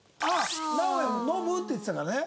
「ナオヤも飲む？」って言ってたからね。